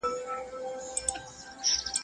په غیرت مو لاندي کړي وه ملکونه.